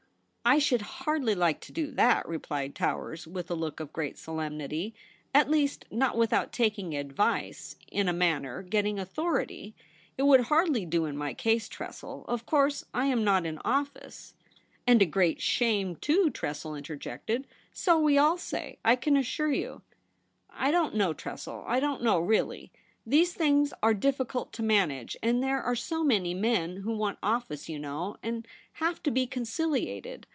* I should hardly like to do that,' replied Towers, with a look of great solemnity ;' at least, not without taking advice — in a manner, getting authority. It would hardly do in my case, Tressel. Of course, I am not in office '' And a great shame, too,' Tressel inter jected. 'So we all say, I can assure you.' * I don't know, Tressel ; I don't know, really. These things are difficult to manage ; and there are so many men who want office, you know, and have to be conciliated.